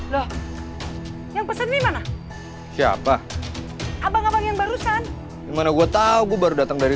loh yang pesen dimana siapa abang abang yang barusan gimana gua tahu gua baru datang dari